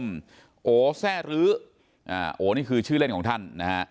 โระเซ่อะไรโระนี่คือชื่อเล่นของท่านนะคะ